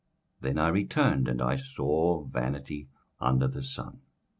21:004:007 Then I returned, and I saw vanity under the sun.